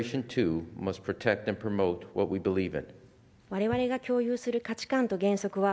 我々が共有する価値観と原則は